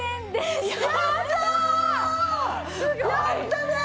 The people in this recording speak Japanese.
すごい！やったね！